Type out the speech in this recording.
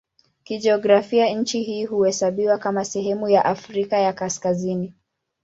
Kijiografia nchi hii huhesabiwa kama sehemu ya Afrika ya Kaskazini.